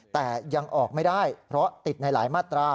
แต่ยังออกไม่ได้เพราะติดในหลายมาตรา